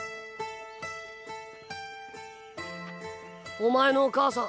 お前のお母さん